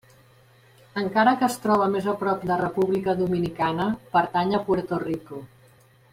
Encara que es troba més a prop de República Dominicana, pertany a Puerto Rico.